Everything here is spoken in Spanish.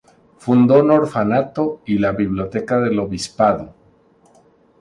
Fundó un orfanato y la biblioteca del Obispado.